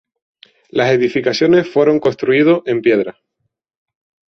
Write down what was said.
Las edificaciones fueron construido en piedra.